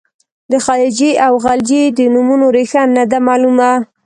د خلجي او غلجي د نومونو ریښه نه ده معلومه.